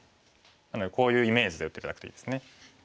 なのでこういうイメージで打って頂くといいですね。